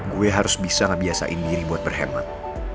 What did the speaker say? gue harus bisa ngebiasain diri buat berhemat